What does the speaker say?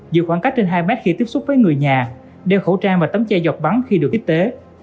giữ khoảng cách trên hai mét khi tiếp xúc với người nhà đeo khẩu trang và tấm tre dọc bắn khi được tiếp tế